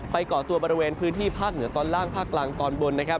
ก่อตัวบริเวณพื้นที่ภาคเหนือตอนล่างภาคกลางตอนบนนะครับ